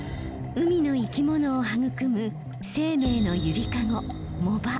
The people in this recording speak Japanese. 海の生き物を育む生命の揺りかご藻場。